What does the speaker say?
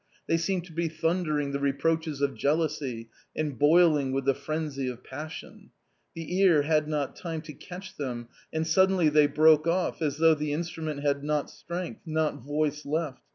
They seemed to be thundering the reproaches of jealousy, and boiling with the frenzy of passion ; the ear had not time to catch them — and suddenly they broke off, as though the instrument had not strength, not voice left.